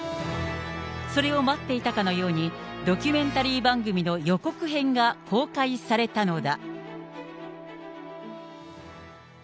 それを待っていたかのように、ドキュメンタリー番組の予告編が公開されたのだ。